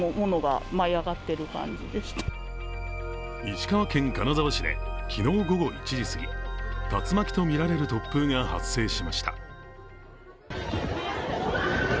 石川県金沢市で昨日午後１時すぎ竜巻とみられる突風が発生しました。